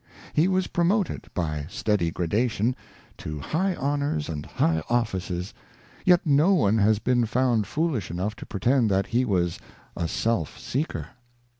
He was promoted, by steady gradation, to high honours and high offices, yet no one has been found foolish enough to pretend that he was a self seeker.